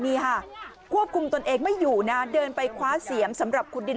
นี่ค่ะควบคุมตนเองไม่อยู่นะเดินไปคว้าเสียมสำหรับขุดดิน